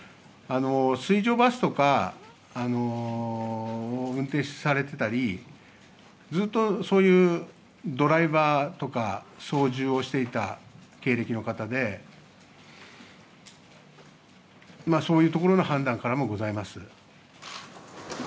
水上バスとか、運転されてたり、ずっとそういうドライバーとか、操縦をしていた経歴の方で、そういうところの判断からもございます。